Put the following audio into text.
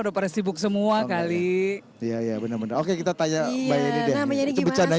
udah pada sibuk semua kali iya iya bener bener oke kita tanya mbak yeni